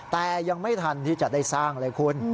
แต่ยังไม่ทันที่จะได้สร้างเลยคุณ